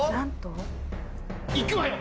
いくわよ。